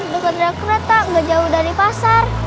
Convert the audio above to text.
dekat naik kereta nggak jauh dari pasar